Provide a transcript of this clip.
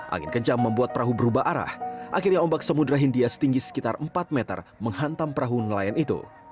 angin kencang membuat perahu berubah arah akhirnya ombak samudera hindia setinggi sekitar empat meter menghantam perahu nelayan itu